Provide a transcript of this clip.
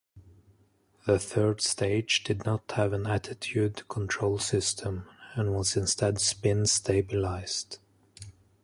The third stage did not have an attitude control system, and was instead spin-stabilised.